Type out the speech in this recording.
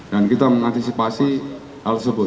dan kita mengantisipasi hal tersebut